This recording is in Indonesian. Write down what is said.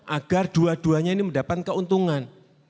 agar dua duanya ini mendapat keuntungan